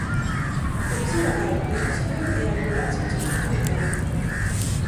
Policía Local, Protección Civil e a ambulancia chegaron decontado.